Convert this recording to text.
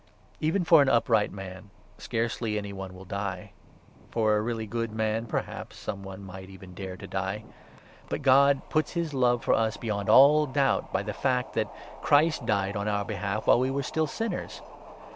Even for an upright man 7 scarcely any one will die. For a really good man perhaps some one might even dare to die. But God puts his love for 8 us beyond all doubt by the fact that Christ died on our behalf while we were still sinners.